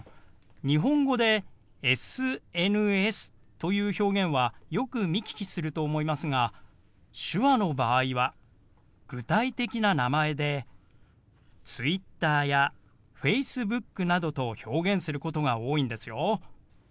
日本語でＳＮＳという表現はよく見聞きすると思いますが手話の場合は具体的な名前でＴｗｉｔｔｅｒやＦａｃｅｂｏｏｋなどと表現することが多いんですよ。